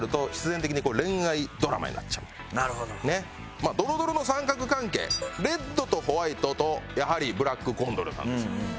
まあドロドロの三角関係レッドとホワイトとやはりブラックコンドルなんですよね。